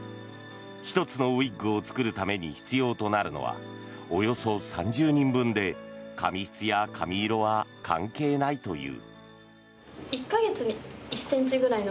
１つのウィッグを作るために必要となるのはおよそ３０人分で髪質や髪色は関係ないという。